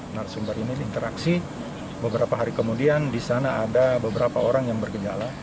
narasumber ini diinteraksi beberapa hari kemudian di sana ada beberapa orang yang bergejala